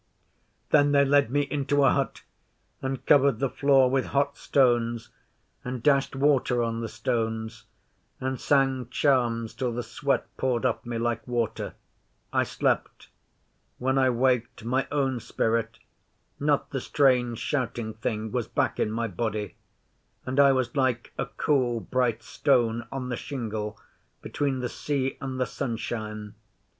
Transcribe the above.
Then they led me into a hut and covered the floor with hot stones and dashed water on the stones, and sang charms till the sweat poured off me like water. I slept. When I waked, my own spirit not the strange, shouting thing was back in my body, and I was like a cool bright stone on the shingle between the sea and the sunshine.